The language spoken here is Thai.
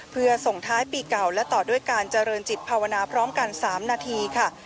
เพื่อส่งท้ายปีเก่าและต่อด้วยการเจริญจิตภาวนาพร้อมกัน๓นาทีค่ะ